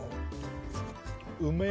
うめえ！